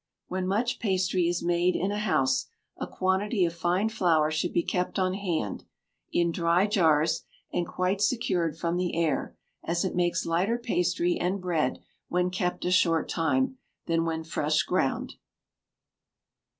When much pastry is made in a house, a quantity of fine flour should be kept on hand, in dry jars, and quite secured from the air, as it makes lighter pastry and bread when kept a short time, than when fresh ground.